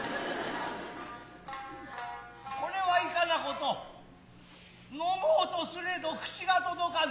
是れはいかな事呑もうとすれど口が届かぬ。